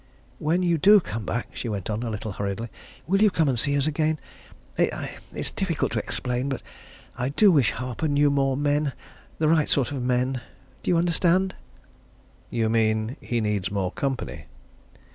"When you do come back," she went on, a little hurriedly, "will you come and see us again? I it's difficult to explain but I do wish Harper knew more men the right sort of men. Do you understand?" "You mean he needs more company?"